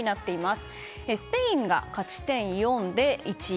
スペインが勝ち点４で１位。